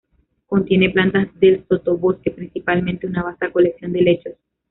Contiene plantas del sotobosque, principalmente una vasta colección de helechos.